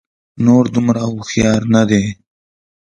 نور دومره هوښيار نه دي